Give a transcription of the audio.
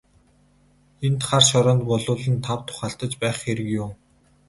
Энд хар шороонд булуулан тав тух алдаж байх хэрэг юун.